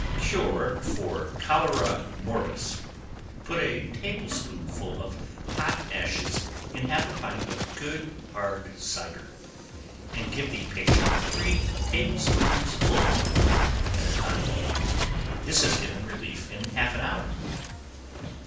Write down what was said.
Cure for Cholera Morbus. Put a table spoonful of hot ashes in half a pint of good hard cider, and give the patient three table spoonsful of it at a time. This has given relief in half an hour.